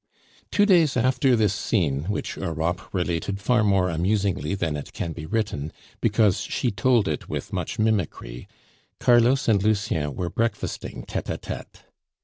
Two days after this scene, which Europe related far more amusingly than it can be written, because she told it with much mimicry, Carlos and Lucien were breakfasting tete a tete.